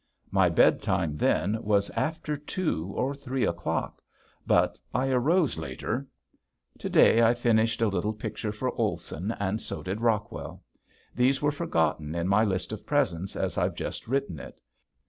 My bedtime then was after two or three o'clock but I arose later. To day I finished a little picture for Olson and so did Rockwell. These were forgotten in my list of presents as I've just written it.